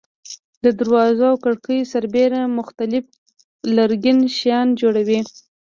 د دروازو او کړکیو سربېره مختلف لرګین شیان جوړوي.